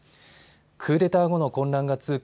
クーデター後の混乱が続く